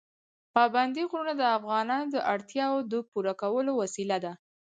پابندی غرونه د افغانانو د اړتیاوو د پوره کولو وسیله ده.